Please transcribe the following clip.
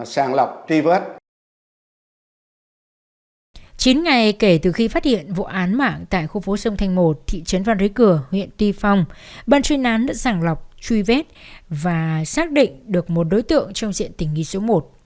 sau khi phát hiện vụ án mạng tại khu phố sông thanh một thị trấn phan đế cửa huyện tuy phong ban chuyên án đã sẵn lọc truy vết và xác định được một đối tượng trong diện tình nghi số một